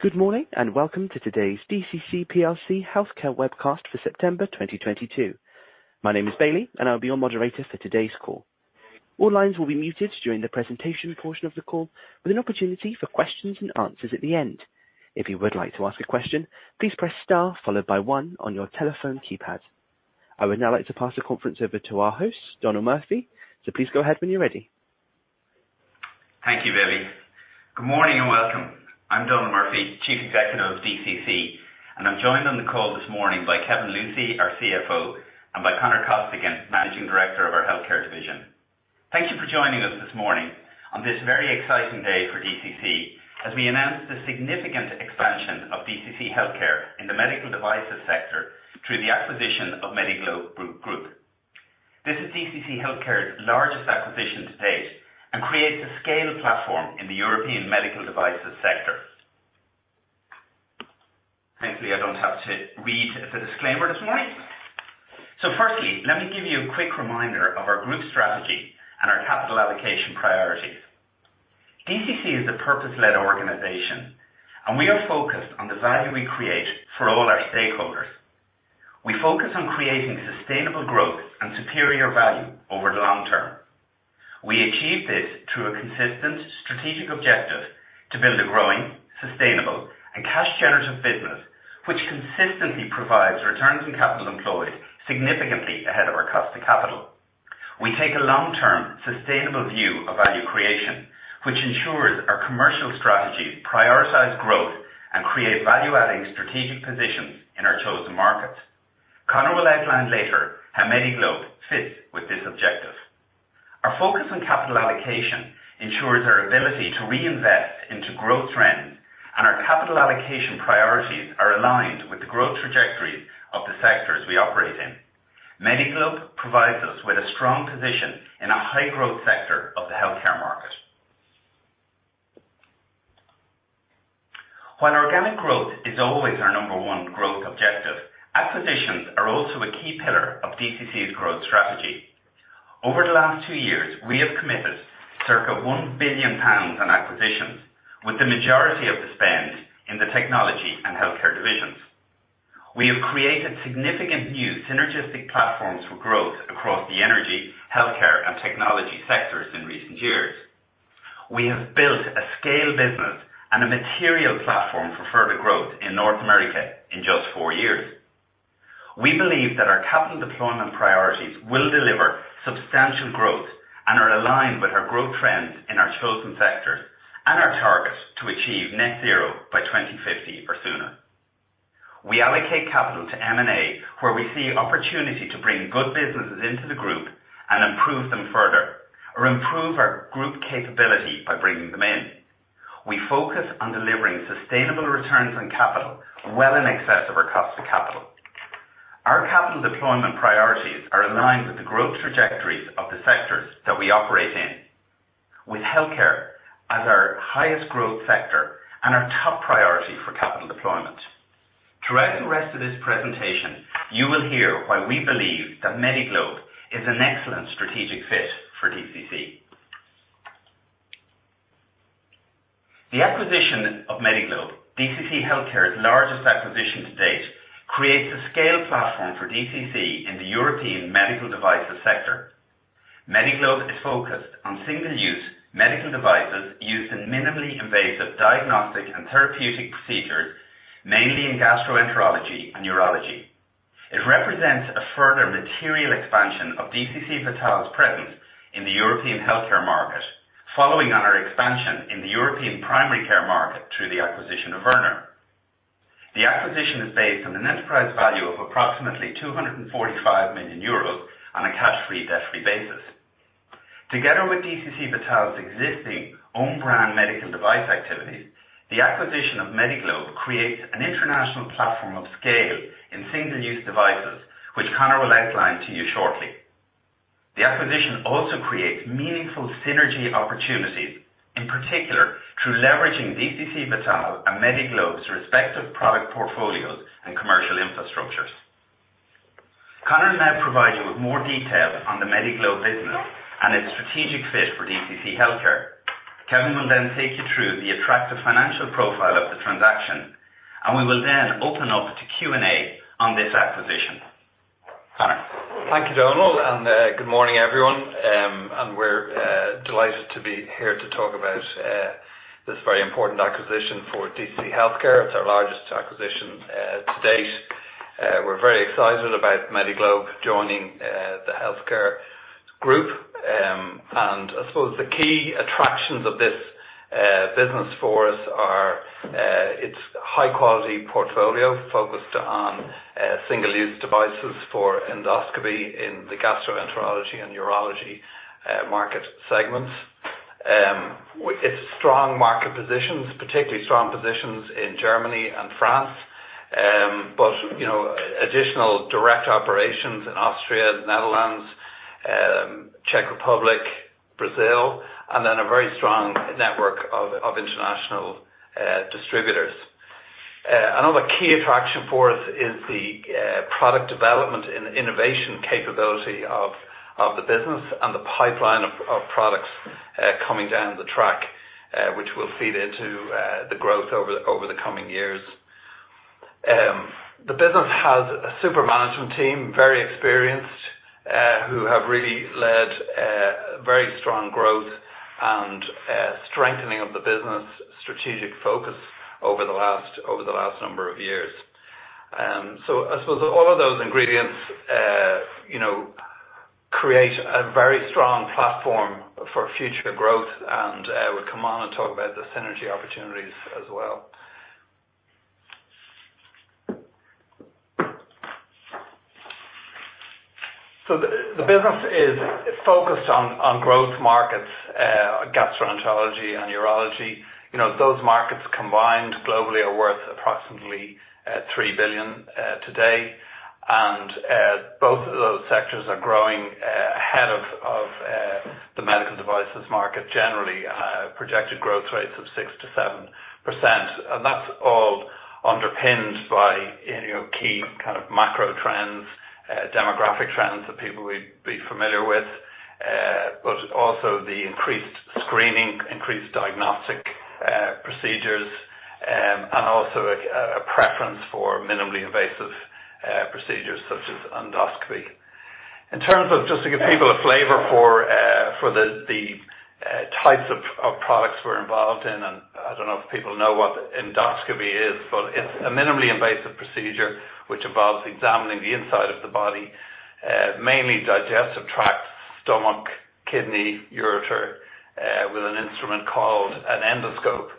Good morning, and welcome to today's DCC plc Healthcare Webcast for September 2022. My name is Bailey, and I'll be your moderator for today's call. All lines will be muted during the presentation portion of the call, with an opportunity for questions and answers at the end. If you would like to ask a question, please press star followed by one on your telephone keypad. I would now like to pass the conference over to our host, Donal Murphy. Please go ahead when you're ready. Thank you, Bailey. Good morning and welcome. I'm Donal Murphy, Chief Executive of DCC. I'm joined on the call this morning by Kevin Lucey, our CFO, and by Conor Costigan, Managing Director of our healthcare division. Thank you for joining us this morning on this very exciting day for DCC as we announce the significant expansion of DCC Healthcare in the medical devices sector through the acquisition of Medi-Globe Group. This is DCC Healthcare's largest acquisition to date and creates a scale platform in the European medical devices sector. Thankfully, I don't have to read the disclaimer this morning. Firstly, let me give you a quick reminder of our group strategy and our capital allocation priorities. DCC is a purpose-led organization, and we are focused on the value we create for all our stakeholders. We focus on creating sustainable growth and superior value over the long-term. We achieve this through a consistent strategic objective to build a growing, sustainable and cash generative business, which consistently provides returns on capital employed significantly ahead of our cost of capital. We take a long-term, sustainable view of value creation, which ensures our commercial strategies prioritize growth and create value-adding strategic positions in our chosen markets. Conor will outline later how Medi-Globe fits with this objective. Our focus on capital allocation ensures our ability to reinvest into growth trends, and our capital allocation priorities are aligned with the growth trajectories of the sectors we operate in. Medi-Globe provides us with a strong position in a high-growth sector of the health care market. While organic growth is always our number one growth objective, acquisitions are also a key pillar of DCC's growth strategy. Over the last two years, we have committed circa 1 billion pounds on acquisitions, with the majority of the spend in the technology and healthcare divisions. We have created significant new synergistic platforms for growth across the energy, healthcare and technology sectors in recent years. We have built a scale business and a material platform for further growth in North America in just four years. We believe that our capital deployment priorities will deliver substantial growth and are aligned with our growth trends in our chosen sectors and our target to achieve net zero by 2050 or sooner. We allocate capital to M&A, where we see opportunity to bring good businesses into the group and improve them further or improve our group capability by bringing them in. We focus on delivering sustainable returns on capital well in excess of our cost of capital. Our capital deployment priorities are aligned with the growth trajectories of the sectors that we operate in. With healthcare as our highest growth sector and our top priority for capital deployment. Throughout the rest of this presentation, you will hear why we believe that Medi-Globe is an excellent strategic fit for DCC. The acquisition of Medi-Globe, DCC Healthcare's largest acquisition to date, creates a scale platform for DCC in the European medical devices sector. Medi-Globe is focused on single-use medical devices used in minimally invasive diagnostic and therapeutic procedures, mainly in gastroenterology and urology. It represents a further material expansion of DCC Vital's presence in the European healthcare market, following on our expansion in the European primary care market through the acquisition of Wörner. The acquisition is based on an enterprise value of approximately 245 million euros on a cash-free, debt-free basis. Together with DCC Vital's existing own brand medical device activities, the acquisition of Medi-Globe creates an international platform of scale in single-use devices, which Conor will outline to you shortly. The acquisition also creates meaningful synergy opportunities, in particular through leveraging DCC Vital and Medi-Globe's respective product portfolios and commercial infrastructures. Conor will now provide you with more details on the Medi-Globe business and its strategic fit for DCC Healthcare. Kevin will then take you through the attractive financial profile of the transaction, and we will then open up to Q&A on this acquisition. Conor. Thank you, Donal, and good morning, everyone. We're delighted to be here to talk about this very important acquisition for DCC Healthcare. It's our largest acquisition to date. We're very excited about Medi-Globe joining the Healthcare group. I suppose the key attractions of this business for us are its high-quality portfolio focused on single-use devices for endoscopy in the gastroenterology and urology market segments. Its strong market positions, particularly strong positions in Germany and France, but you know additional direct operations in Austria, the Netherlands, Czech Republic, Brazil, and then a very strong network of international distributors. Another key attraction for us is the product development and innovation capability of the business and the pipeline of products coming down the track, which will feed into the growth over the coming years. The business has a super management team, very experienced, who have really led very strong growth and strengthening of the business strategic focus over the last number of years. I suppose all of those ingredients, you know, create a very strong platform for future growth, and we'll come on and talk about the synergy opportunities as well. The business is focused on growth markets, gastroenterology and urology. You know, those markets combined globally are worth approximately 3 billion today. Both of those sectors are growing ahead of the medical devices market generally, projected growth rates of 6%-7%. That's all underpinned by, you know, key kind of macro trends, demographic trends that people will be familiar with, but also the increased screening, increased diagnostic procedures, and also a preference for minimally invasive procedures such as endoscopy. In terms of just to give people a flavor for the types of products we're involved in. I don't know if people know what endoscopy is. It's a minimally invasive procedure which involves examining the inside of the body, mainly digestive tract, stomach, kidney, ureter, with an instrument called an endoscope.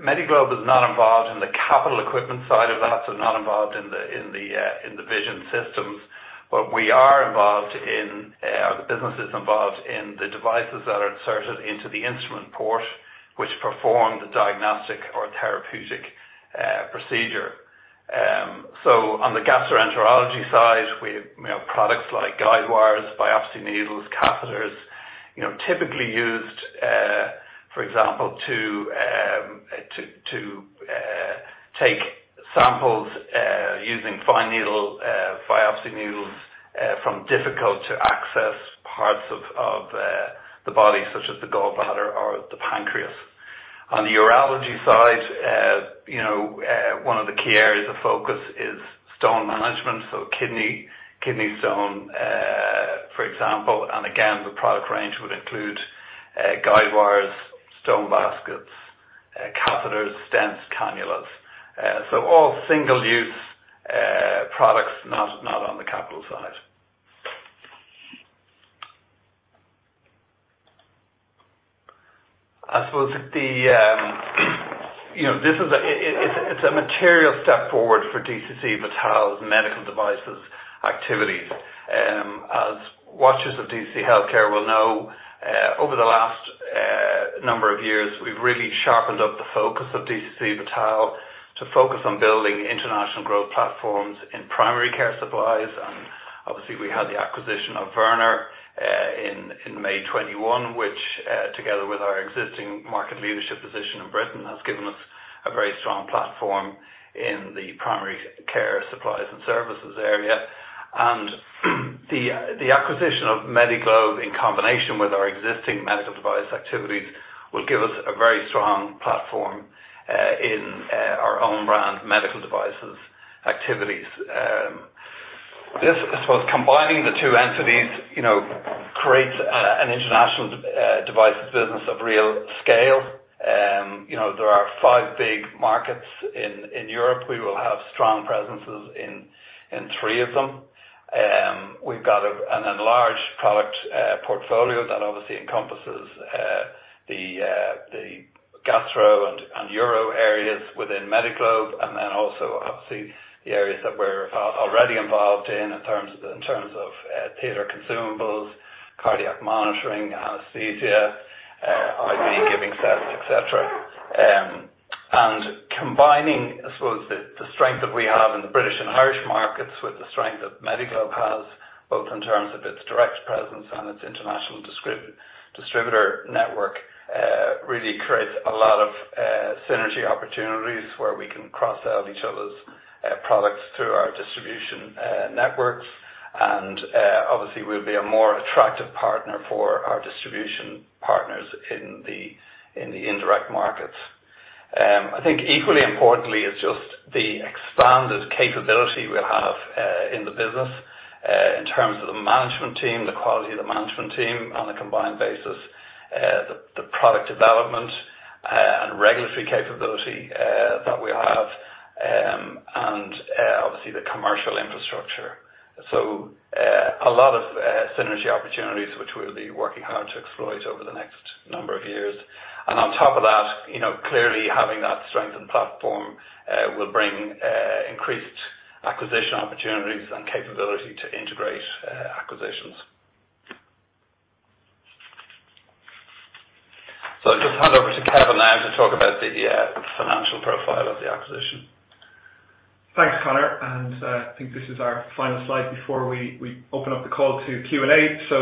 Medi-Globe is not involved in the capital equipment side of that, so not involved in the vision systems. The business is involved in the devices that are inserted into the instrument port, which perform the diagnostic or therapeutic procedure. On the gastroenterology side, we have, you know, products like guidewires, biopsy needles, catheters, you know, typically used, for example, to take samples using fine needle biopsy needles from difficult to access parts of the body, such as the gallbladder or the pancreas. On the urology side, you know, one of the key areas of focus is stone management, so kidney stone, for example. Again, the product range would include guidewires, stone baskets, catheters, stents, cannulas. So all single-use products not on the capital side. I suppose, you know, this is a material step forward for DCC Vital's medical devices activities. As watchers of DCC Healthcare will know, over the last number of years, we've really sharpened up the focus of DCC Vital to focus on building international growth platforms in primary care supplies. Obviously, we had the acquisition of Wörner in May 2021, which together with our existing market leadership position in Britain has given us a very strong platform in the primary care supplies and services area. The acquisition of Medi-Globe, in combination with our existing medical device activities, will give us a very strong platform in our own brand medical devices activities. This, I suppose, combining the two entities, you know, creates an international devices business of real scale. You know, there are five big markets in Europe. We will have strong presences in three of them. We've got an enlarged product portfolio that obviously encompasses the gastro and uro areas within Medi-Globe, and then also obviously the areas that we're already involved in terms of theater consumables, cardiac monitoring, anesthesia, IV giving sets, et cetera. Combining, I suppose, the strength that we have in the British and Irish markets with the strength that Medi-Globe has, both in terms of its direct presence and its international distributor network, really creates a lot of synergy opportunities where we can cross-sell each other's products through our distribution networks. Obviously, we'll be a more attractive partner for our distribution partners in the indirect markets. I think equally importantly is just the expanded capability we'll have in the business in terms of the management team, the quality of the management team on a combined basis, the product development and regulatory capability that we have, and obviously the commercial infrastructure. A lot of synergy opportunities which we'll be working hard to exploit over the next number of years. On top of that, you know, clearly having that strengthened platform will bring increased acquisition opportunities and capability to integrate acquisitions. I'll just hand over to Kevin now to talk about the financial profile of the acquisition. Thanks, Conor. I think this is our final slide before we open up the call to Q&A.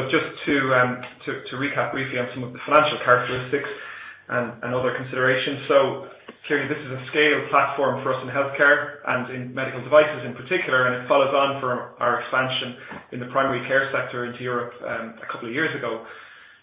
Just to recap briefly on some of the financial characteristics and other considerations. Clearly this is a scale platform for us in healthcare and in medical devices in particular, and it follows on from our expansion in the primary care sector into Europe, a couple of years ago.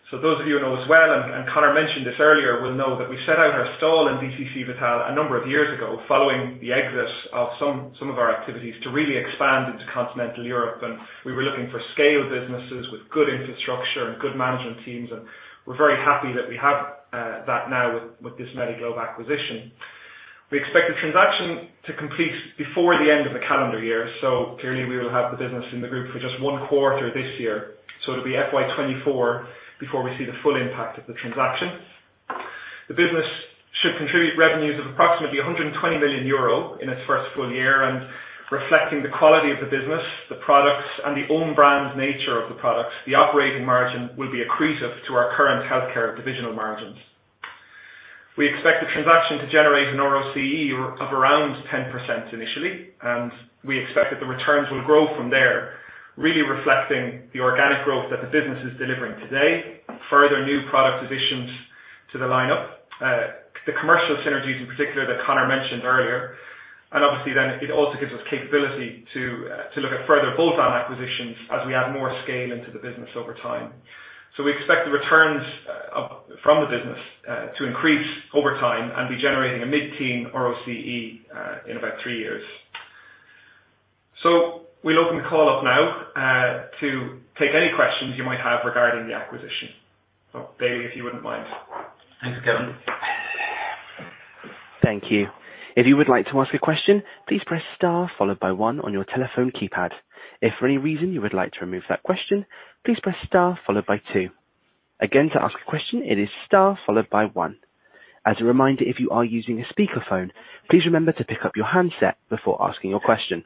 Those of you who know us well, and Conor mentioned this earlier, will know that we set out our stall in DCC Vital a number of years ago following the exit of some of our activities to really expand into continental Europe. We were looking for scale businesses with good infrastructure and good management teams, and we're very happy that we have that now with this Medi-Globe acquisition. We expect the transaction to complete before the end of the calendar year, so clearly we will have the business in the group for just one quarter this year. It'll be FY 2024 before we see the full impact of the transaction. The business should contribute revenues of approximately 120 million euro in its first full year. Reflecting the quality of the business, the products and the own brand nature of the products, the operating margin will be accretive to our current healthcare divisional margins. We expect the transaction to generate a ROCE of around 10% initially, and we expect that the returns will grow from there, really reflecting the organic growth that the business is delivering today. Further new product additions to the lineup. The commercial synergies in particular that Conor mentioned earlier. Obviously then it also gives us capability to look at further bolt-on acquisitions as we add more scale into the business over time. We expect the returns from the business to increase over time and be generating a mid-teen ROCE in about three years. We'll open the call up now to take any questions you might have regarding the acquisition. Bailey, if you wouldn't mind. Thanks, Kevin. Thank you. If you would like to ask a question, please press star followed by one on your telephone keypad. If for any reason you would like to remove that question, please press star followed by two. Again, to ask a question, it is star followed by one. As a reminder, if you are using a speakerphone, please remember to pick up your handset before asking your question.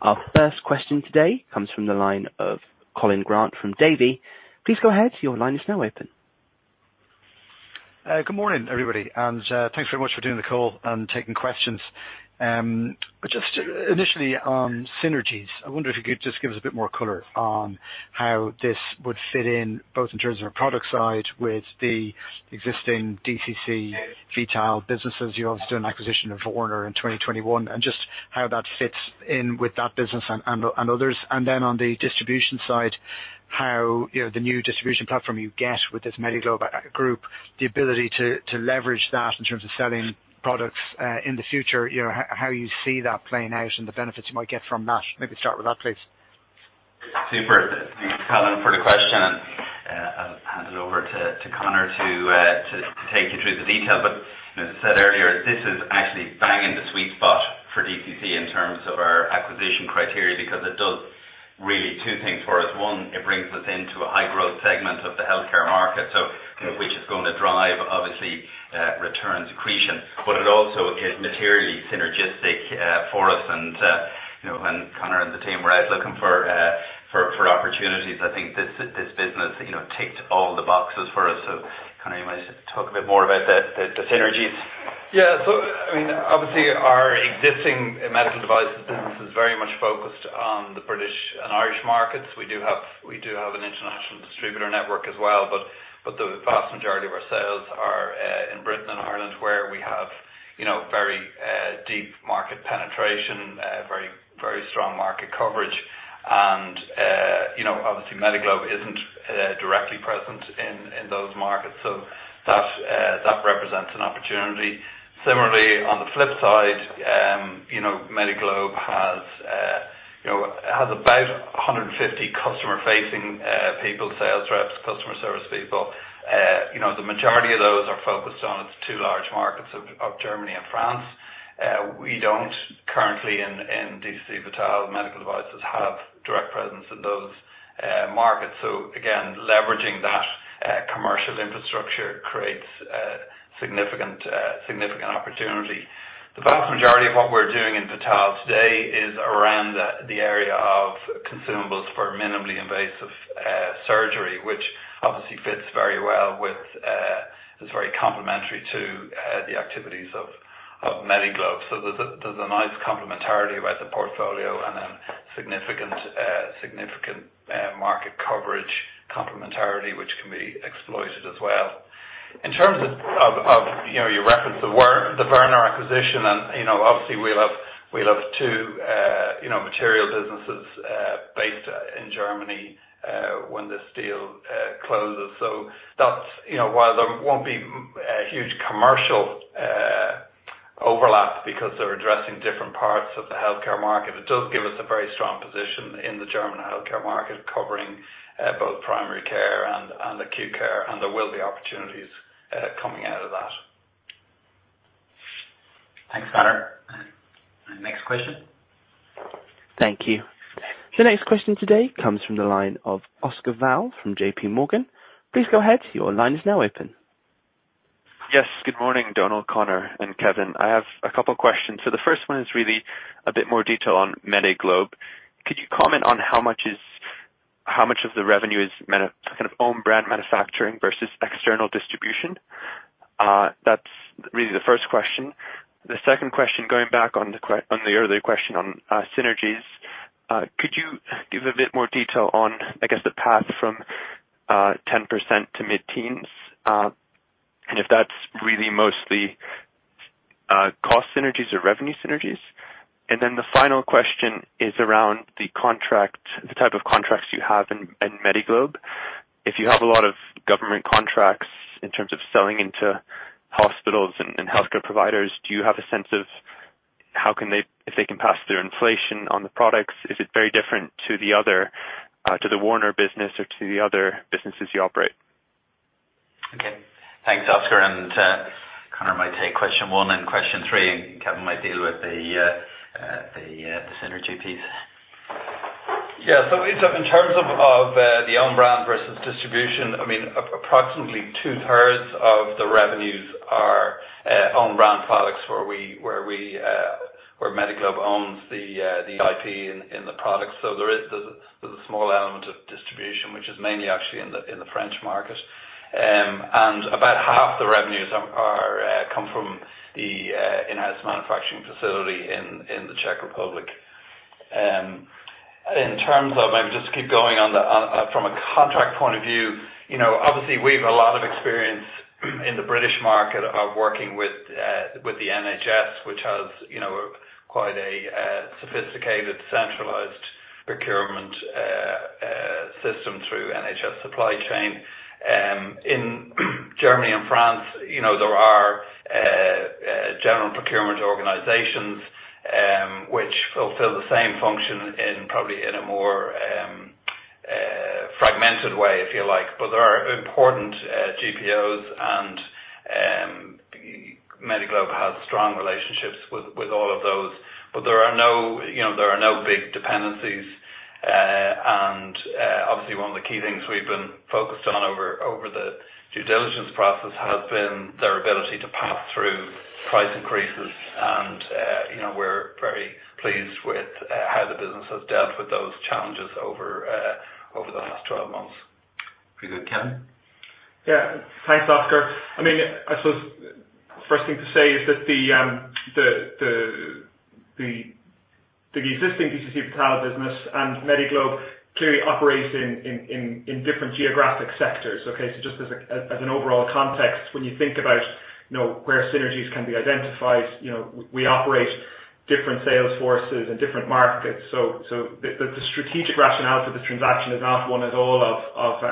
Our first question today comes from the line of Colin Grant from Davy. Please go ahead. Your line is now open. Good morning, everybody, and thanks very much for doing the call and taking questions. Just initially on synergies, I wonder if you could just give us a bit more color on how this would fit in, both in terms of product side with the existing DCC Vital businesses. You obviously do an acquisition of Wörner in 2021, and just how that fits in with that business and others. Then on the distribution side, how, you know, the new distribution platform you get with this Medi-Globe Group, the ability to leverage that in terms of selling products in the future, you know, how you see that playing out and the benefits you might get from that. Maybe start with that, please. Super. Thanks, Colin, for the question and I'll hand it over to Conor to take you through the detail. As I said earlier, this is actually bang in the sweet spot for DCC in terms of our acquisition criteria, because it does really two things for us. One, it brings us into a high growth segment of the healthcare market, so you know, which is gonna drive obviously returns accretion. It also is materially synergistic for us. You know, when Conor and the team were out looking for opportunities, I think this business you know ticked all the boxes for us. Conor, you want to talk a bit more about the synergies? Yeah. I mean, obviously our existing medical device business is very much focused on the British and Irish markets. We have an international distributor network as well, but the vast majority of our sales are in Britain and Ireland, where we have you know very deep market penetration very strong market coverage. You know, obviously Medi-Globe isn't directly present in those markets. That represents an opportunity. Similarly, on the flip side, you know, Medi-Globe has you know has about 150 customer-facing people, sales reps, customer service people. You know, the majority of those are focused on its two large markets of Germany and France. We don't currently in DCC Vital medical devices have direct presence in those markets. Again, leveraging that commercial infrastructure creates significant opportunity. The vast majority of what we're doing in Vital today is around the area of consumables for minimally invasive surgery, which obviously fits very well with is very complementary to the activities of Medi-Globe. There's a nice complementarity about the portfolio and then significant market coverage complementarity, which can be exploited as well. In terms of you know, you referenced the Wörner acquisition and you know, obviously we'll have two material businesses based in Germany when this deal closes. That's, you know, while there won't be a huge commercial overlap because they're addressing different parts of the healthcare market, it does give us a very strong position in the German healthcare market, covering both primary care and acute care. There will be opportunities coming out of that. Thanks, Conor. Next question. Thank you. The next question today comes from the line of Oscar Val-Mas from J.P. Morgan. Please go ahead. Your line is now open. Yes. Good morning, Donal, Conor and Kevin. I have a couple questions. The first one is really a bit more detail on Medi-Globe. Could you comment on how much of the revenue is kind of own brand manufacturing versus external distribution? That's really the first question. The second question, going back on the earlier question on synergies, could you give a bit more detail on, I guess, the path from 10% to mid-teens, and if that's really mostly cost synergies or revenue synergies? The final question is around the contract, the type of contracts you have in Medi-Globe. If you have a lot of government contracts in terms of selling into hospitals and healthcare providers, do you have a sense of how can they? If they can pass through inflation on the products? Is it very different to the other, to the Wörner business or to the other businesses you operate? Okay. Thanks, Oscar. Conor might take question one and question three, and Kevin might deal with the synergy piece. Yeah. In terms of the own brand versus distribution, I mean, approximately 2/3 of the revenues are own brand products where Medi-Globe owns the IP in the products. There is the small element of distribution, which is mainly actually in the French market. About half the revenues come from the in-house manufacturing facility in the Czech Republic. Maybe just to keep going on, from a contract point of view, you know, obviously we've a lot of experience in the British market of working with the NHS, which has, you know, quite a sophisticated centralized procurement system through NHS Supply Chain. In Germany and France, you know, there are general procurement organizations, which fulfill the same function in a more fragmented way, if you like. There are important GPOs, and Medi-Globe has strong relationships with all of those. There are no big dependencies, you know. Obviously, one of the key things we've been focused on over the due diligence process has been their ability to pass through price increases. You know, we're very pleased with how the business has dealt with those challenges over the last 12 months. Very good. Kevin? Yeah. Thanks, Oscar. I mean, I suppose first thing to say is that the existing DCC Vital business and Medi-Globe clearly operates in different geographic sectors. Okay? Just as an overall context, when you think about, you know, where synergies can be identified, you know, we operate different sales forces in different markets. The strategic rationale to the transaction is not one at all of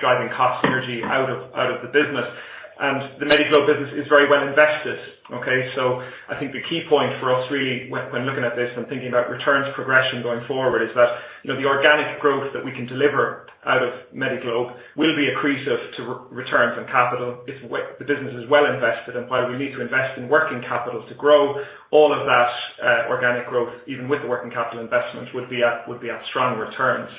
driving cost synergy out of the business. The Medi-Globe business is very well invested. Okay? I think the key point for us really when looking at this and thinking about returns progression going forward is that, you know, the organic growth that we can deliver out of Medi-Globe will be accretive to returns on capital if the business is well invested. While we need to invest in working capital to grow all of that, organic growth, even with the working capital investments, would be at strong returns.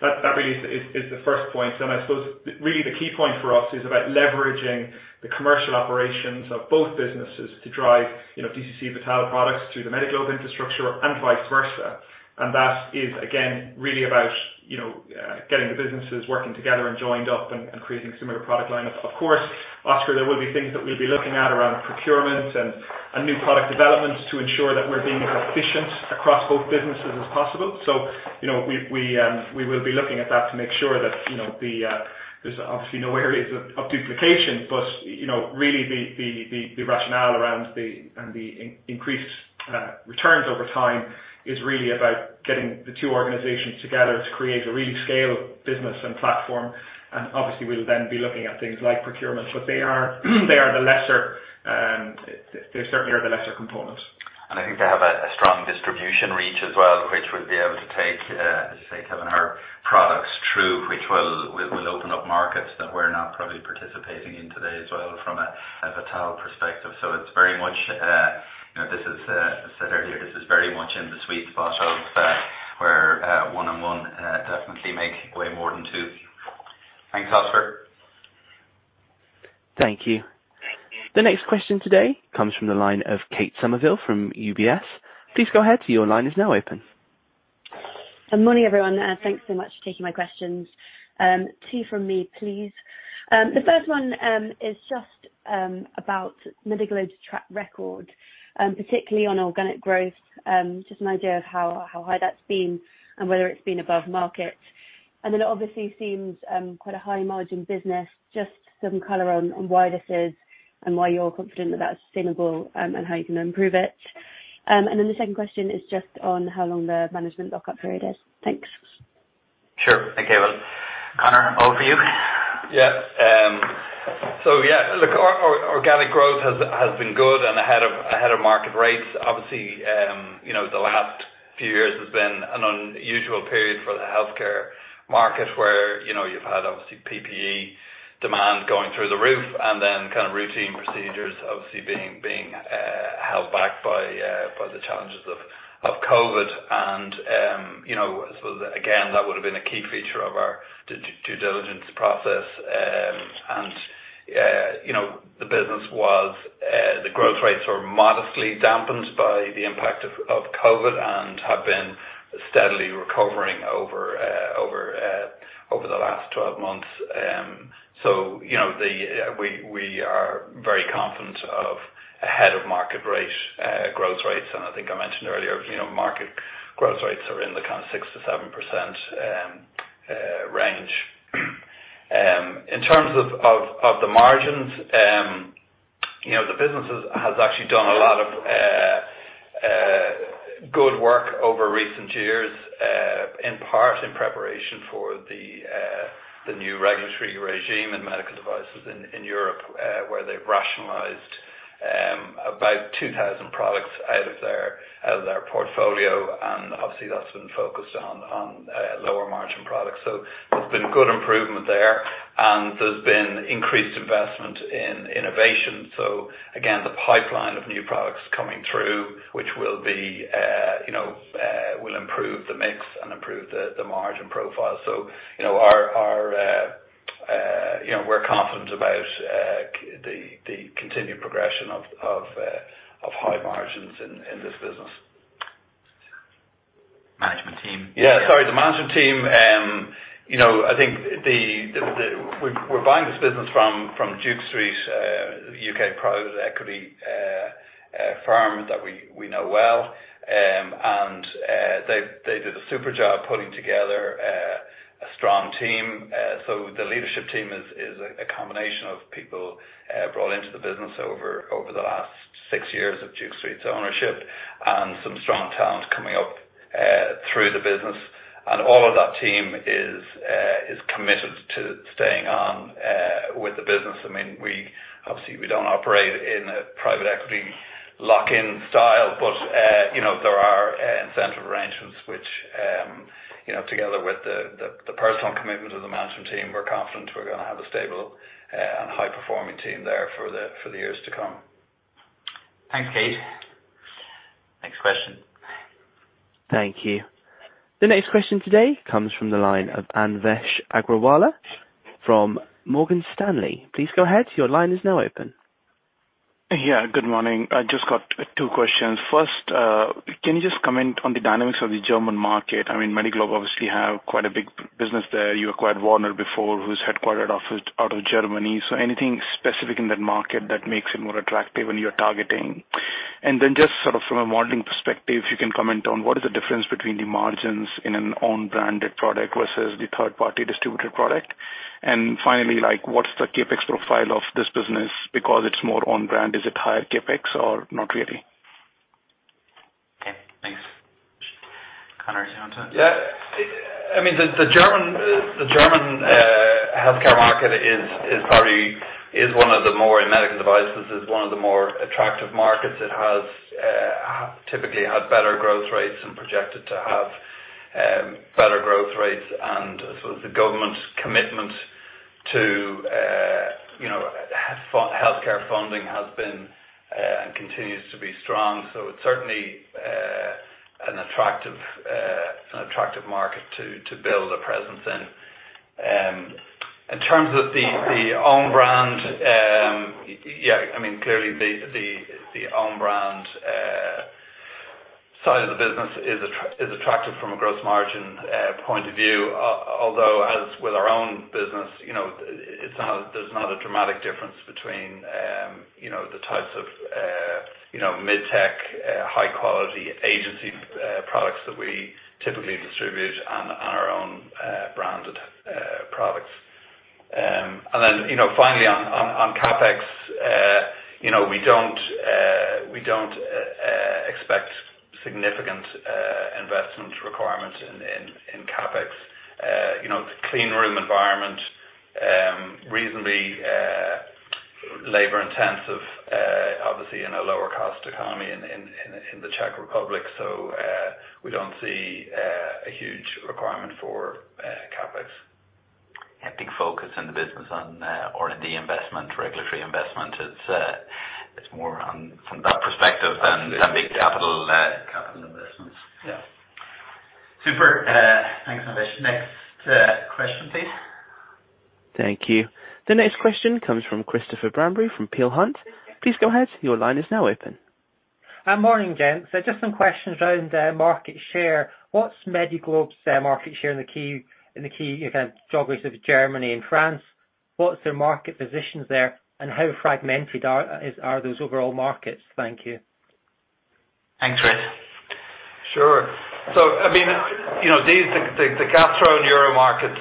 That really is the first point. Then I suppose really the key point for us is about leveraging the commercial operations of both businesses to drive, you know, DCC Vital products through the Medi-Globe infrastructure and vice versa. That is again, really about, you know, getting the businesses working together and joined up and creating similar product lineup. Of course, Oscar, there will be things that we'll be looking at around procurement and new product developments to ensure that we're being as efficient across both businesses as possible. You know, we will be looking at that to make sure that, you know, there's obviously no areas of duplication. You know, really the rationale around the increased returns over time is really about getting the two organizations together to create a really scaled business and platform. Obviously we'll then be looking at things like procurement. They are the lesser. They certainly are the lesser component. I think they have a strong distribution reach as well, which we'll be able to take, as you say, Kevin, our products through, which will open up markets that we're not probably participating in today as well from a Vital perspective. It's very much, you know, this is, as I said earlier, this is very much in the sweet spot of, where, one plus one definitely make way more than two. Thanks, Oscar. Thank you. Thank you. The next question today comes from the line of Kate Somerville from UBS. Please go ahead. Your line is now open. Morning, everyone, and thanks so much for taking my questions. Two from me, please. The first one is just about Medi-Globe's track record, particularly on organic growth. Just an idea of how high that's been and whether it's been above market. It obviously seems quite a high margin business. Just some color on why this is and why you're confident that that's sustainable, and how you're gonna improve it. The second question is just on how long the management lockup period is. Thanks. Sure. Okay. Well, Conor, all for you. Organic growth has been good and ahead of market rates. Obviously, you know, the last few years has been an unusual period for the healthcare market where, you know, you've had obviously PPE demand going through the roof and then kind of routine procedures obviously being held back by the challenges of COVID. You know, that would have been a key feature of our due diligence process. You know, the business was—Growth rates are modestly dampened by the impact of COVID and have been steadily recovering over the last 12 months. You know, we are very confident of ahead of market rate growth rates. I think I mentioned earlier, you know, market growth rates are in the kind of 6%-7% range. In terms of the margins, you know, the businesses has actually done a lot of good work over recent years, in part in preparation for the new regulatory regime in medical devices in Europe, where they've rationalized about 2,000 products out of their portfolio, and obviously that's been focused on lower margin products. There's been good improvement there, and there's been increased investment in innovation. Again, the pipeline of new products coming through, which will be, you know, will improve the mix and improve the margin profile. you know, our you know, we're confident about the continued progression of high margins in this business. Management team. Yeah, sorry. The management team, you know, I think we're buying this business from Duke Street, U.K. private equity firm that we know well. They did a super job putting together a strong team. The leadership team is a combination of people brought into the business over the last six years of Duke Street's ownership and some strong talent coming up through the business. All of that team is committed to staying on with the business. I mean, we obviously don't operate in a private equity lock-in style, but you know, there are incentive arrangements which, you know, together with the personal commitment of the management team, we're confident we're gonna have a stable and high-performing team there for the years to come. Thanks, Kate. Next question. Thank you. The next question today comes from the line of Anvesh Agrawal from Morgan Stanley. Please go ahead. Your line is now open. Yeah, good morning. I just got two questions. First, can you just comment on the dynamics of the German market? I mean, Medi-Globe obviously have quite a big business there. You acquired Wörner before, whose headquartered office out of Germany. Anything specific in that market that makes it more attractive and you're targeting? Then just sort of from a modeling perspective, if you can comment on what is the difference between the margins in an own-branded product versus the third party distributor product. Finally, like, what's the CapEx profile of this business? Because it's more on brand, is it higher CapEx or not really? Okay, thanks. Conor, do you want to- Yeah. I mean, the German healthcare market is probably one of the more attractive markets in medical devices. It has typically had better growth rates and projected to have better growth rates. Sort of the government's commitment to, you know, healthcare funding has been and continues to be strong. It's certainly an attractive market to build a presence in. In terms of the own brand, yeah, I mean, clearly the own brand side of the business is attractive from a gross margin point of view. Although, as with our own business, you know, it's not a—there's not a dramatic difference between, you know, the types of, you know, mid-tech, high quality agency products that we typically distribute on our own branded products. You know, finally on CapEx, you know, we don't expect significant investment requirements in CapEx. You know, it's a clean room environment, reasonably labor intensive, obviously in a lower cost economy in the Czech Republic. We don't see a huge requirement for CapEx. A big focus in the business on R&D investment, regulatory investment. It's more on from that perspective than big capital investments. Yeah. Super. Thanks, Anvesh. Next, question, please. Thank you. The next question comes from Christopher Bamberry from Peel Hunt. Please go ahead. Your line is now open. Morning, gents. Just some questions around market share. What's Medi-Globe's market share in the key geographies of Germany and France? What's their market positions there, and how fragmented are those overall markets? Thank you. Thanks, Chris. Sure. I mean, you know, these, the gastro and uro markets,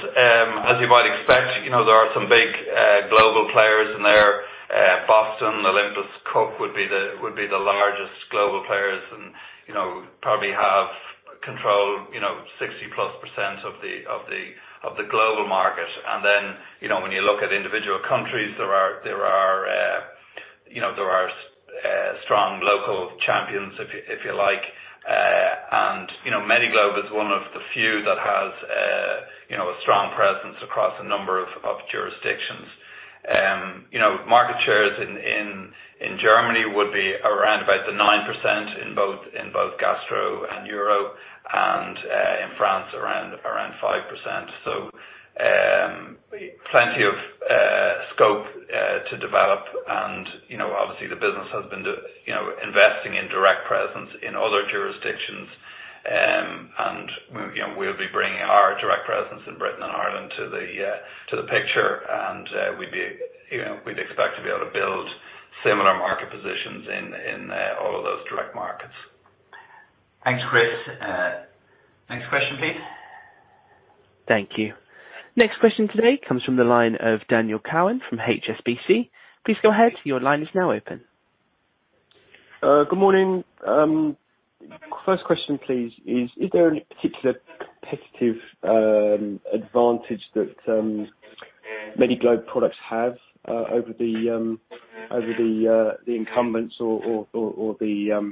as you might expect, you know, there are some big global players in there. Boston, Olympus, Cook would be the largest global players and, you know, probably have control, you know, 60%+ of the global market. Then, you know, when you look at individual countries, there are strong local champions if you like. And, you know, Medi-Globe is one of the few that has a strong presence across a number of jurisdictions. You know, market shares in Germany would be around about the 9% in both gastro, France around five percent. So, plenty of scope to develop. You know, obviously the business has been investing in direct presence in other jurisdictions. You know, we'll be bringing our direct presence in Britain and Ireland to the picture. You know, we'd expect to be able to build similar market positions in all of those direct markets. Thanks, Chris. Next question, please. Thank you. Next question today comes from the line of Daniel Cowan from HSBC. Please go ahead. Your line is now open. Good morning. First question, please, is there any particular competitive advantage that Medi-Globe products have over the incumbents or the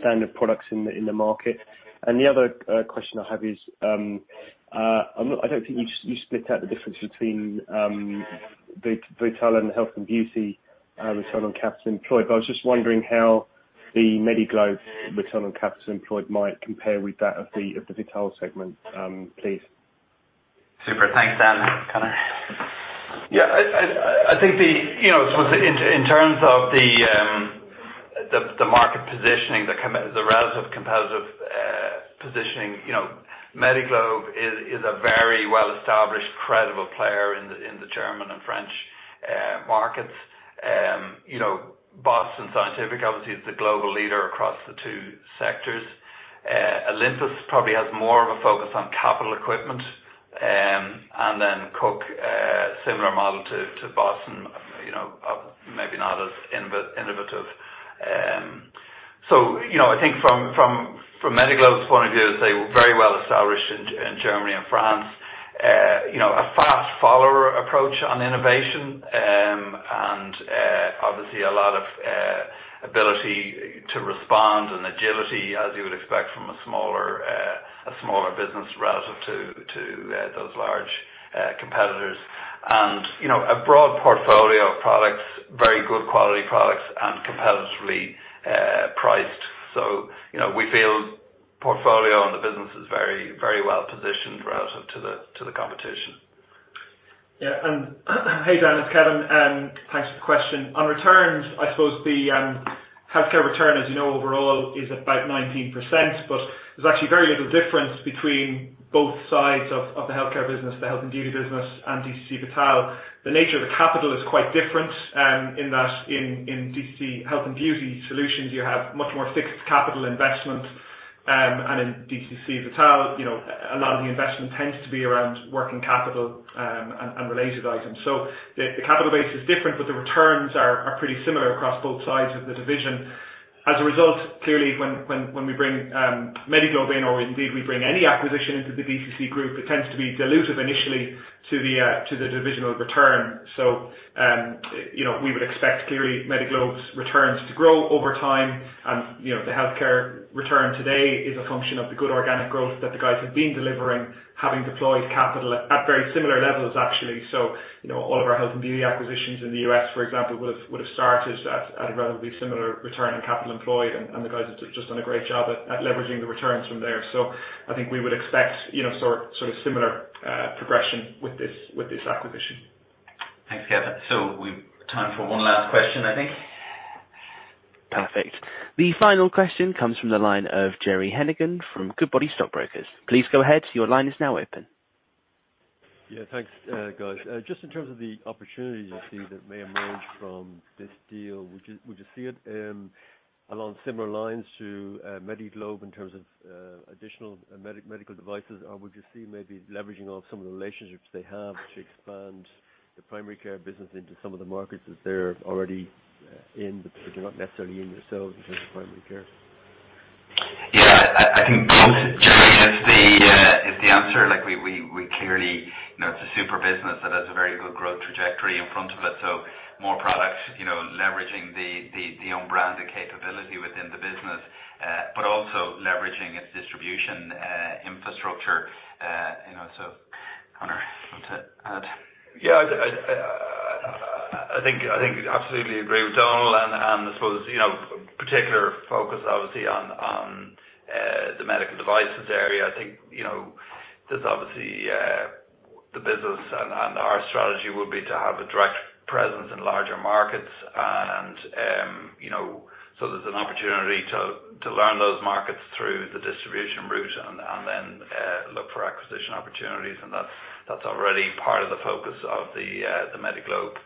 standard products in the market? The other question I have is, I don't think you split out the difference between Vital and Health and Beauty return on capital employed. But I was just wondering how the Medi-Globe return on capital employed might compare with that of the Vital segment, please. Super. Thanks, Dan. Conor. I think you know, sort of in terms of the market positioning, the relative competitive positioning, you know, Medi-Globe is a very well-established credible player in the German and French markets. You know, Boston Scientific obviously is the global leader across the two sectors. Olympus probably has more of a focus on capital equipment. Cook Medical similar model to Boston, you know, maybe not as innovative. I think from Medi-Globe's point of view, as they were very well established in Germany and France, you know, a fast follower approach on innovation, and obviously a lot of ability to respond and agility as you would expect from a smaller business relative to those large competitors. You know, a broad portfolio of products, very good quality products and competitively priced. You know, we feel portfolio and the business is very, very well positioned relative to the competition. Yeah. Hey, Dan, it's Kevin, and thanks for the question. On returns, I suppose the healthcare return, as you know, overall is about 19%, but there's actually very little difference between both sides of the healthcare business, the health and beauty business and DCC Vital. The nature of the capital is quite different in that in DCC Health & Beauty Solutions, you have much more fixed capital investment. In DCC Vital, you know, a lot of the investment tends to be around working capital and related items. The capital base is different, but the returns are pretty similar across both sides of the division. As a result, clearly, when we bring Medi-Globe in or indeed we bring any acquisition into the DCC group, it tends to be dilutive initially to the divisional return. You know, we would expect clearly Medi-Globe's returns to grow over time. You know, the healthcare return today is a function of the good organic growth that the guys have been delivering, having deployed capital at very similar levels, actually. You know, all of our health and beauty acquisitions in the U.S., for example, would've started at a relatively similar return on capital employed, and the guys have just done a great job at leveraging the returns from there. I think we would expect, you know, sort of similar progression with this acquisition. Thanks, Kevin. We've time for one last question, I think. Perfect. The final question comes from the line of Gerry Hennigan from Goodbody Stockbrokers. Please go ahead. Your line is now open. Yeah, thanks, guys. Just in terms of the opportunities you see that may emerge from this deal, would you see it along similar lines to Medi-Globe in terms of additional medical devices? Or would you see maybe leveraging of some of the relationships they have to expand the primary care business into some of the markets that they're already in, but you're not necessarily in yourselves in terms of primary care? Yeah. I think both, Gerry, is the answer. Like, we clearly. You know, it's a super business that has a very good growth trajectory in front of it. More products, you know, leveraging the own branded capability within the business, but also leveraging its distribution infrastructure. You know, Conor, you want to add? Yeah. I think I absolutely agree with Donal and I suppose you know particular focus obviously on the medical devices area. I think you know there's obviously the business and our strategy would be to have a direct presence in larger markets and you know so there's an opportunity to learn those markets through the distribution route and then look for acquisition opportunities. And that's already part of the focus of the Medi-Globe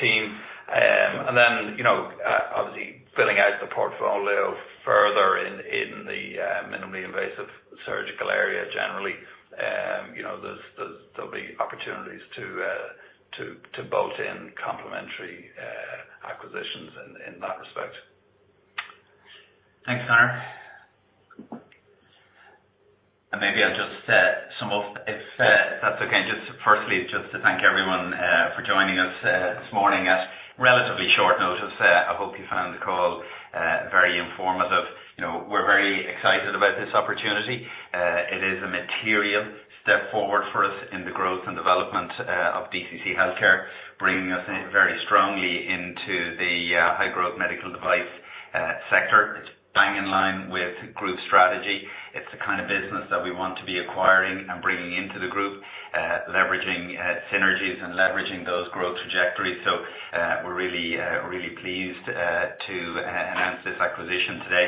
team. And then you know obviously filling out the portfolio further in the minimally invasive surgical area generally you know there'll be opportunities to bolt in complementary acquisitions in that respect. Thanks, Conor. Maybe I'll just sum up if that's okay. Just firstly, just to thank everyone for joining us this morning at relatively short notice. I hope you found the call very informative. You know, we're very excited about this opportunity. It is a material step forward for us in the growth and development of DCC Healthcare, bringing us in very strongly into the high growth medical device sector. It's bang in line with group strategy. It's the kind of business that we want to be acquiring and bringing into the group, leveraging synergies and leveraging those growth trajectories. We're really pleased to announce this acquisition today.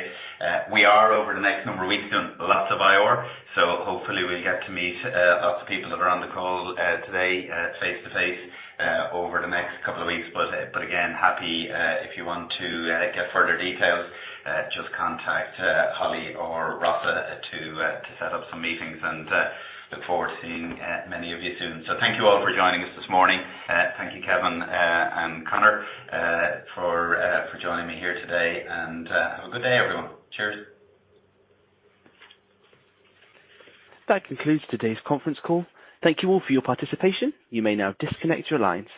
We are over the next number of weeks doing lots of IR, so hopefully we'll get to meet lots of people that are on the call today face-to-face over the next couple of weeks. Again, happy if you want to get further details, just contact Holly or Rossa to set up some meetings, and look forward to seeing many of you soon. Thank you all for joining us this morning. Thank you Kevin and Conor for joining me here today. Have a good day, everyone. Cheers. That concludes today's conference call. Thank you all for your participation. You may now disconnect your lines.